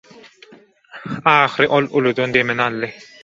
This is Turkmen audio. Ahyry ol uludan demini aldy.